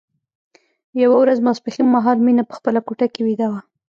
یوه ورځ ماسپښين مهال مينه په خپله کوټه کې ويده وه